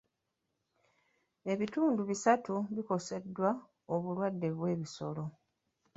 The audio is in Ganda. Ebitundu bisatu bikoseddwa obulwadde bw'ebisolo.